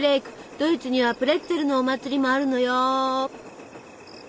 ドイツにはプレッツェルのお祭りもあるのよ。